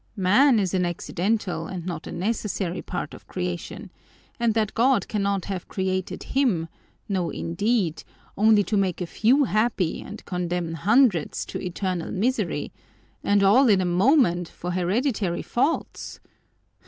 "Man is an accidental and not a necessary part of creation, and that God cannot have created him, no indeed, only to make a few happy and condemn hundreds to eternal misery, and all in a moment, for hereditary faults!